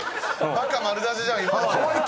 バカ丸出しじゃん今の。